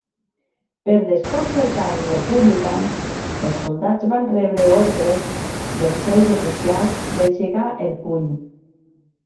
Per desconcertar els republicans, els soldats van rebre ordres dels seus oficials d'aixecar el puny.